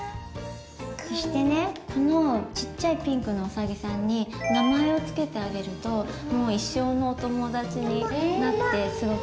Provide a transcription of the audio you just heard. そしてねこのちっちゃいピンクのうさぎさんに名前をつけてあげるともう一生のお友達になって。